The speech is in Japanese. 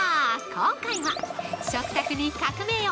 今回は食卓に革命を！